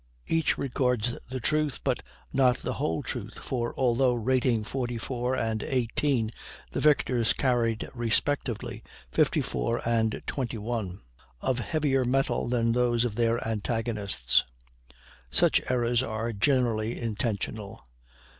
Each records the truth but not the whole truth, for although rating 44 and 18 the victors carried respectively 54 and 21 guns, of heavier metal than those of their antagonists. Such errors are generally intentional.